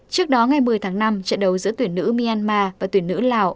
trước đó ngày một mươi tháng năm trận đấu giữa tuyển nữ myanmar và tuyển nữ lào